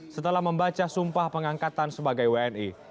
setelah membaca sumpah pengangkatan sebagai wni